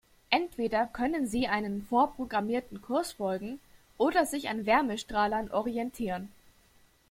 Entweder können sie einem vorprogrammierten Kurs folgen oder sich an Wärmestrahlern orientieren.